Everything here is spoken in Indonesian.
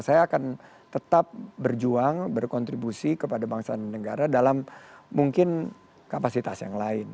saya akan tetap berjuang berkontribusi kepada bangsa dan negara dalam mungkin kapasitas yang lain